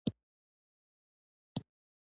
د ترجمې نهضت رامنځته کړ